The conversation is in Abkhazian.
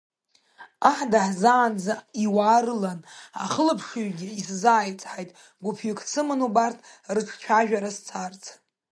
Аҳ даҳзаанӡа, иуаа рылан, ахылаԥшыҩгьы исзааицҳаит гәыԥ-ҩык сыманы убарҭ рыҿцәажәара сцарц.